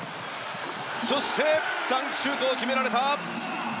そしてダンクシュートを決められた！